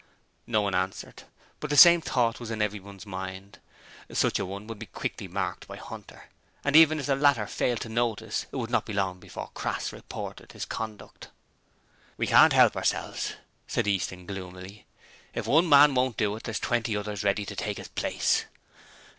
No one answered; but the same thought was in everyone's mind. Such a one would be quickly marked by Hunter; and even if the latter failed to notice it would not be long before Crass reported his conduct. 'We can't 'elp ourselves,' said Easton, gloomily. 'If one man won't do it there's twenty others ready to take 'is place.'